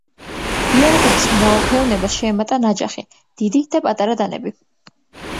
იარაღების მრავალფეროვნებას შეემატა ნაჯახი, დიდი და პატარა დანები.